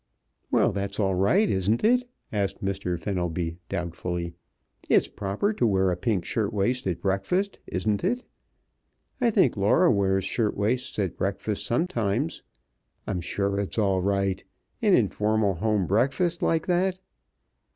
"Well, that's all right, isn't it?" asked Mr. Fenelby, doubtfully. "It's proper to wear a pink shirt waist at breakfast, isn't it? I think Laura wears shirt waists at breakfast sometimes. I'm sure it's all right. An informal home breakfast like that."